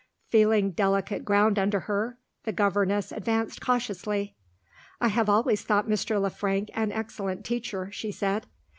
Feeling delicate ground under her, the governess advanced cautiously. "I have always thought Mr. Le Frank an excellent teacher," she said.